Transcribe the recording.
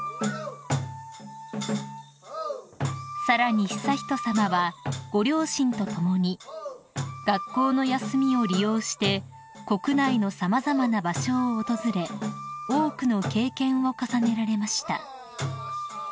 ［さらに悠仁さまはご両親と共に学校の休みを利用して国内の様々な場所を訪れ多くの経験を重ねられました］